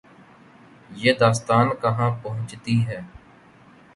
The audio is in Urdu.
یہ داستان کہاں پہنچتی ہے۔